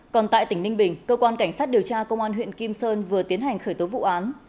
còn tại tỉnh ninh bình cơ quan cảnh sát điều tra công an huyện kim sơn vừa tiến hành khởi tố vụ án